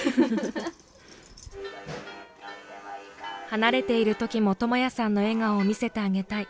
離れているときも朋也さんの笑顔を見せてあげたい。